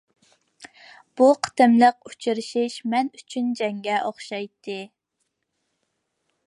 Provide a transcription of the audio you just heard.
بۇ قېتىملىق ئۇچرىشىش مەن ئۈچۈن جەڭگە ئوخشايتتى.